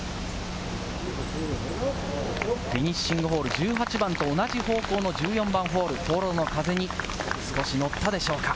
フィニッシングホール・１８番と同じ方向の１４番ホール、フォローの風に少しのったでしょうか。